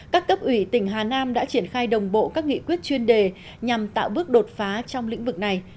các cấp ủy tỉnh hà nam đã triển khai đồng bộ các nghị quyết chuyên đề nhằm tạo bước đột phá trong lĩnh vực này